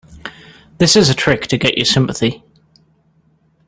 This is a trick to get your sympathy.